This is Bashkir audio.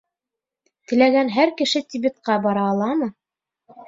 — Теләгән һәр кеше Тибетҡа бара аламы?